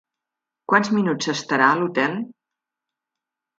Quants minuts s'estarà a l'hotel?